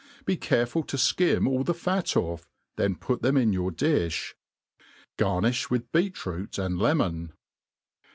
Be careful %o fkim all the fat oiF, then pyt them in your diih* Qarnifl^ with beet root ^nd lemon.